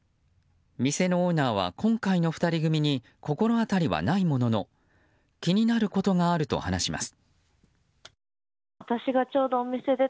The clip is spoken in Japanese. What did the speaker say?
店のオーナーは今回の２人組に心当たりはないものの気になることがあると話します。